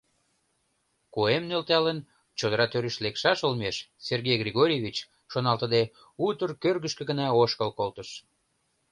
Куэм нӧлталын, чодыра тӱрыш лекшаш олмеш, Сергей Григорьевич, шоналтыде, утыр кӧргышкӧ гына ошкыл колтыш.